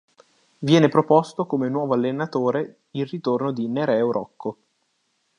Viene proposto come nuovo allenatore il ritorno di Nereo Rocco.